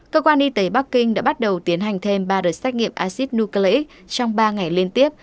cơ quan y tế bắc kinh đã bắt đầu tiến hành thêm ba đợt xét nghiệm acid nucleic trong ba ngày liên tiếp